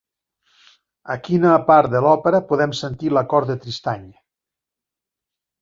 A quina part de l'òpera podem sentir l'«acord de Tristany»?